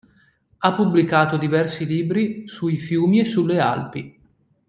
Ha pubblicato diversi libri sui fiumi e sulle Alpi.